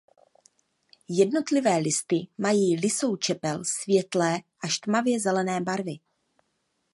Jednotlivé listy mají lysou čepel světlé až tmavě zelené barvy.